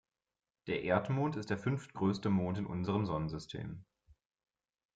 Der Erdmond ist der fünftgrößte Mond in unserem Sonnensystem.